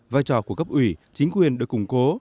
vai trò của cấp ủy chính quyền được củng cố